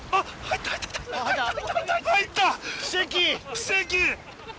奇跡！